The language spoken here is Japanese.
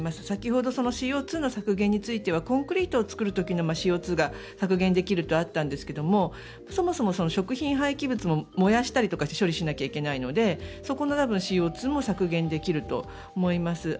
先ほどＣＯ２の削減についてはコンクリートを作る時のＣＯ２が削減できるとあったんですけどそもそも食品廃棄物を燃やしたりとかして処理しないといけないのでそこのＣＯ２も削減できると思います。